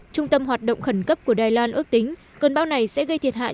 trung tâm hoạt động khẩn cấp của đài loan ước tính cơn bão này sẽ gây thiệt hại